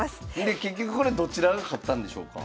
で結局これどちらが勝ったんでしょうか？